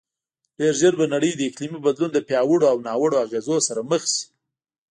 ډېرژر به نړی د اقلیمې بدلون له پیاوړو او ناوړو اغیزو سره مخ شې